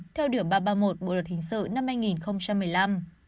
theo điều ba trăm ba mươi một bộ luật hình sự năm hai nghìn một mươi năm